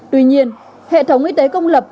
tuy nhiên hệ thống y tế công lập